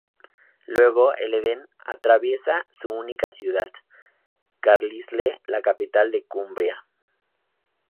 Luego, el Eden atraviesa su única ciudad, Carlisle, la capital de Cumbria.